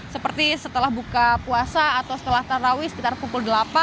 seperti setelah buka puasa atau setelah tarawih sekitar pukul delapan